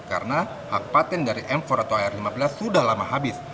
karena hak patent dari m empat atau ar lima belas sudah lama habis